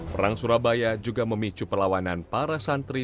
perang surabaya juga memicu perlawanan para santri